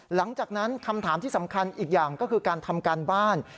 หลังจากนั้นคำถามที่สำคัญอีกอย่างก็คือการทำการบ้าน